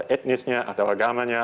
etnisnya atau agamanya